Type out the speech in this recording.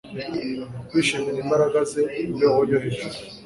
kwishimira imbaraga ze, imbeho yo hejuru